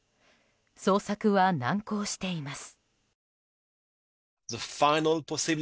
捜索は難航しています。